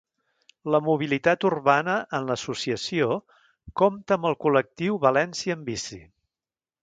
La mobilitat urbana en l'associació compta amb el col·lectiu València en bici.